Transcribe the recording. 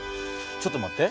ちょっと待って。